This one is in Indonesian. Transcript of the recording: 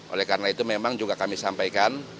oleh karena itu memang juga kami sampaikan